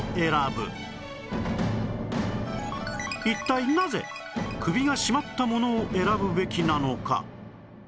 一体なぜ首が締まったものを選ぶべきなのか？